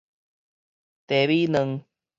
茶米卵